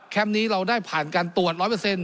นี้เราได้ผ่านการตรวจ๑๐๐